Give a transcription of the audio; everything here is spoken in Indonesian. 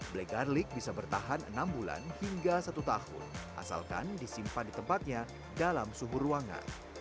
black garlic bisa bertahan enam bulan hingga satu tahun asalkan disimpan di tempatnya dalam suhu ruangan